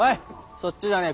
そっちじゃねぇ。